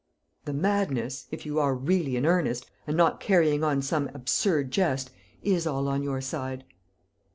"The madness if you are really in earnest, and not carrying on some absurd jest is all on your side."